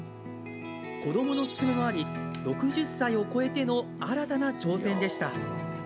子どもの勧めもあり、６０歳を超えての新たな挑戦でした。